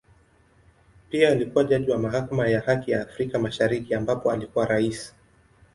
Pia alikua jaji wa Mahakama ya Haki ya Afrika Mashariki ambapo alikuwa Rais.